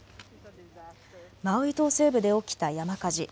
マウイ島西部で起きた山火事。